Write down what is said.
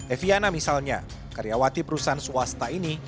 eviana misalnya karyawati perusahaan swasta ini